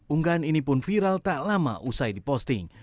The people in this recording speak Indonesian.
unggahan ini pun viral tak lama usai diposting